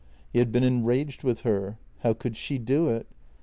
He had been enraged with her. How could she do it?